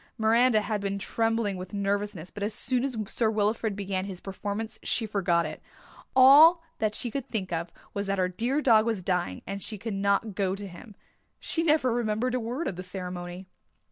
Miranda had been trembling with nervousness but as soon as Sir Wilfrid began his performance she forgot it. All that she could think of was that her dear dog was dying and she could not go to him. She never remembered a word of the ceremony.